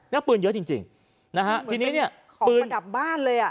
แล้วปืนเยอะจริงเหมือนเป็นของประดับบ้านเลย